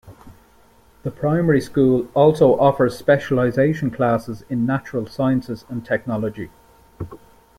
The primary school also offers specialisation classes in Natural Sciences and Technology.